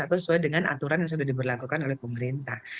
atau sesuai dengan aturan yang sudah diberlakukan oleh pemerintah